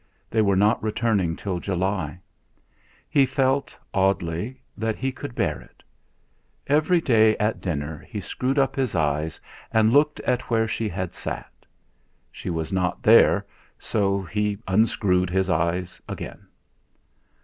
They were not returning till July; he felt, oddly, that he could bear it. Every day at dinner he screwed up his eyes and looked at where she had sat. She was not there, so he unscrewed his eyes again.